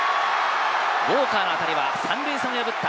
ウォーカーの当たりは３塁線を破った。